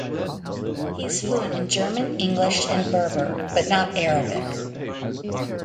He is fluent in German, English and berber, but not Arabic.